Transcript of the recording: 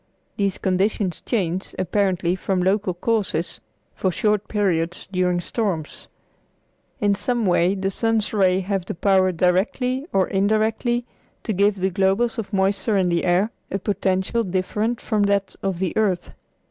These conditions change, apparently from local causes, for short periods during storms. In some way the sun's rays have the power directly or indirectly to give the globules of moisture in the air a potential different from that of the earth.